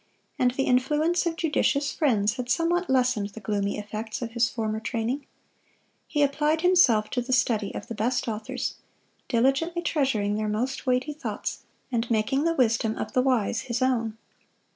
And the influence of judicious friends had somewhat lessened the gloomy effects of his former training. He applied himself to the study of the best authors, diligently treasuring their most weighty thoughts, and making the wisdom of the wise his own.